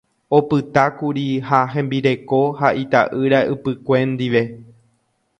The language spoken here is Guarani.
Opytákuri ha hembireko ha ita'ýra ypykue ndive.